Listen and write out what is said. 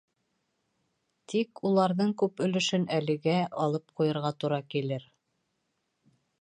Тик уларҙың күп өлөшөн әлегә алып ҡуйырға тура килер.